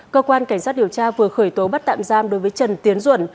cơ quan cảnh sát điều tra vừa khởi tố bắt tạm giam đối với trần tiến duẩn